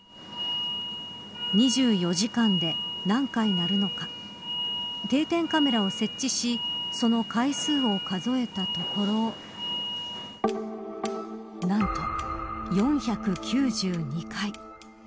２４時間で何回鳴るのか定点カメラを設置しその回数を数えたところ何と４９２回。